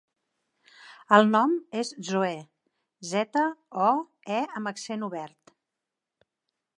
El nom és Zoè: zeta, o, e amb accent obert.